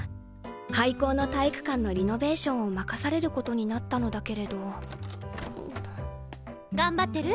廃校の体育館のリノベーションを任されることになったのだけれど頑張ってる？